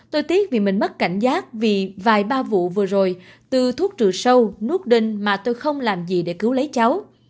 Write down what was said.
tôi tiếc vì mình mất cảnh giác vì vài ba vụ vừa rồi từ thuốc trừ sâu núp đinh mà tôi không làm gì để cứu lấy cháu